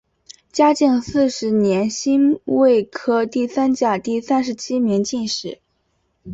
嘉靖四十年辛未科第三甲第三十七名进士。